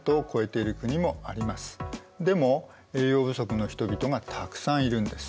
でも栄養不足の人々がたくさんいるんです。